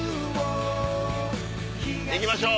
行きましょう！